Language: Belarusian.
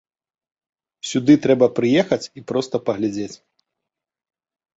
Сюды трэба прыехаць і проста паглядзець.